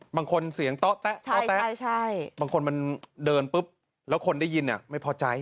บางคนเสียงโต๊ะแต๊ะบางคนมันเดินปุ๊บแล้วคนได้ยินไม่พอใจ